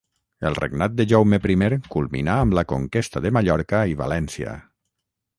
El regnat de Jaume primer culminà amb la conquesta de Mallorca i València.